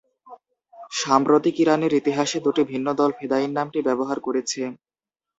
সাম্প্রতিক ইরানের ইতিহাসে দুটি ভিন্ন দল ফেদায়িন নামটি ব্যবহার করেছে।